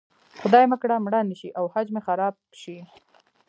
خدای مه کړه مړه نه شي او حج مې خراب شي.